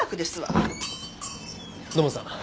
土門さん。